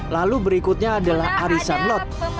lalu berikutnya adalah arisan lot